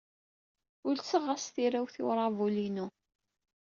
Ulseɣ-as tirawt i uṛabul-inu.